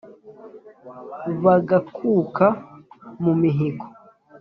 Bagakuka mu mihigo,